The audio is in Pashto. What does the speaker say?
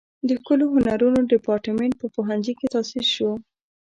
د ښکلو هنرونو دیپارتمنټ په پوهنځي کې تاسیس شو.